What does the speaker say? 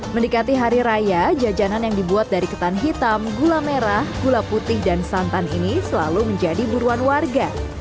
mendekati hari raya jajanan yang dibuat dari ketan hitam gula merah gula putih dan santan ini selalu menjadi buruan warga